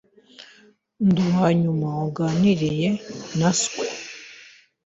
Ndi uwanyuma waganiriye na swe.